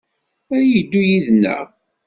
A yeddu yid-neɣ?